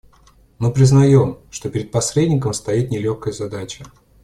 Мы признаем, что перед посредником стоит нелегкая задача.